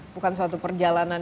bukan suatu perjalanan